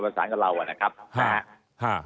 สารกับเรานะครับนะฮะ